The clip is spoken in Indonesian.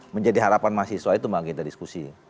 menjadi harapan mahasiswa itu memang kita diskusi